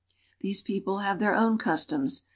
These f people have their own I. customs.